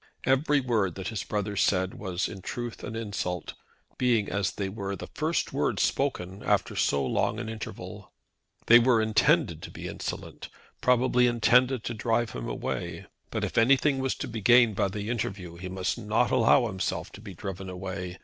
Every word that his brother said was in truth an insult, being, as they were, the first words spoken after so long an interval. They were intended to be insolent, probably intended to drive him away. But if anything was to be gained by the interview he must not allow himself to be driven away.